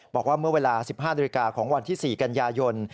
บอกว่าเมื่อเวลา๑๕นาฬิกาของวันที่๔กันยายน